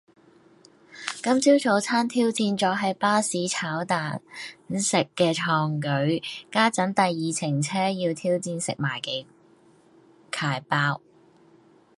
今朝早餐挑戰咗喺巴士炒蛋食嘅創舉，家陣第二程車要挑戰食埋幾楷包